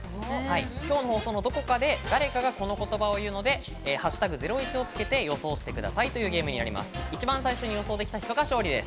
今日の放送のどこかで誰かがこの言葉を言うので、「＃ゼロイチ」をつけて予想してくださいというゲームです。